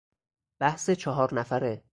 بحث چهار نفره